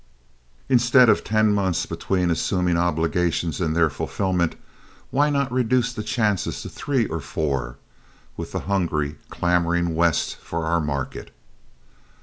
Instead of ten months between assuming obligations and their fulfillment, why not reduce the chances to three or four, with the hungry, clamoring West for our market?